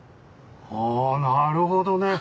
ああーなるほどね